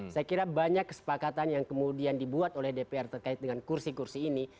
saya kira banyak kesepakatan yang kemudian dibuat oleh dpr terkait dengan kursi kursi ini